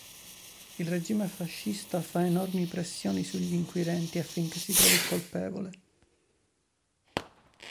Il regime fascista fa enormi pressioni sugli inquirenti affinché si trovi il colpevole.